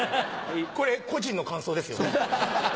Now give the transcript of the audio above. これ個人の感想ですよね。